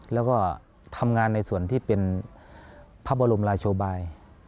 แล้วก็ทำงานในส่วนที่เป็นพระบรมราชบาย